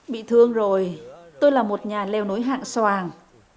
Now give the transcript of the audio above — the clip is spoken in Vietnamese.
bị thương rồi tôi là một nhà leo nối hạng soàng